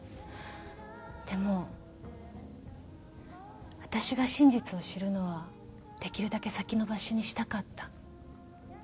でもあたしが真実を知るのはできるだけ先延ばしにしたかった。